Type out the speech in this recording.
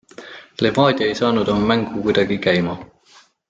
Levadia ei saanud oma mängu kuidagi käima.